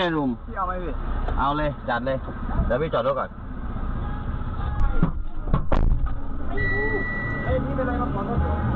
อันนี้มันอะไรครับขอโทษนะครับ